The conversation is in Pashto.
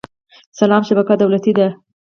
سلام شبکه دولتي ده